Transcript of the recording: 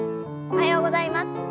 おはようございます。